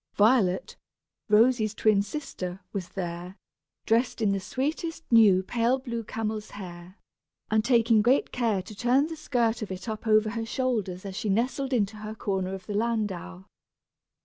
Violet, Rosy's twin sister, was there, dressed in the sweetest new pale blue camel's hair, and taking great care to turn the skirt of it up over her shoulders as she nestled into her corner of the landau.